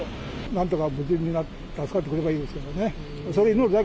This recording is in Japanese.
なんとか無事に助かってくれればいいですけどね。